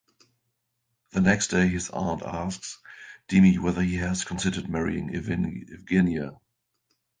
The next day his aunt asks Dimi whether he has considered marrying Evgenia.